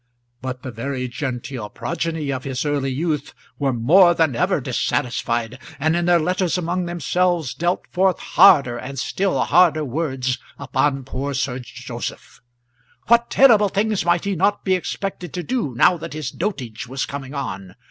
But the very genteel progeny of his early youth were more than ever dissatisfied, and in their letters among themselves dealt forth harder and still harder words upon poor Sir Joseph. What terrible things might he not be expected to do now that his dotage was coming on?